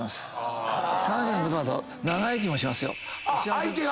相手が！